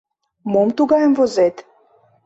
— Мом тугайым возет?